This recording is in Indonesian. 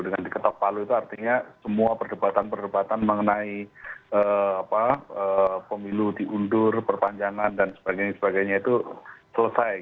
dengan diketok palu itu artinya semua perdebatan perdebatan mengenai pemilu diundur perpanjangan dan sebagainya sebagainya itu selesai